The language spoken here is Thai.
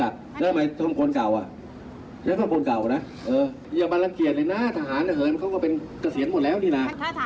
คุณนายกของท่านนายกต่อไปเนี่ยจะเป็นยังไงคะ